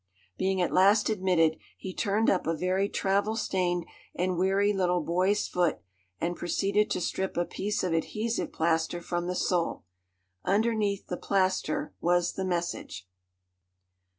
Being at last admitted, he turned up a very travel stained and weary little boy's foot and proceeded to strip a piece of adhesive plaster from the sole. Underneath the plaster was the message!